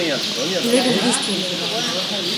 Левин выстрелил.